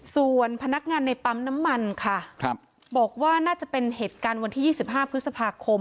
ส่วนพนักงานในปั๊มน้ำมันค่ะบอกว่าน่าจะเป็นเหตุการณ์วันที่๒๕พฤษภาคม